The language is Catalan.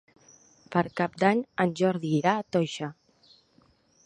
Per Cap d'Any en Jordi irà a Toixa.